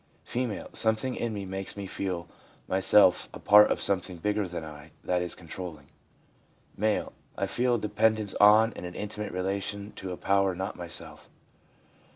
F. ' Some thing in me makes me feel myself a part of something bigger than I that is controlling/ M. l I feel a depend ence on and an intimate relation to a power not my self.'